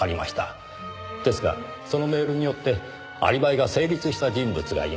ですがそのメールによってアリバイが成立した人物がいます。